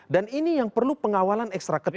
dan ini yang perlu pengawalan ekstra ketat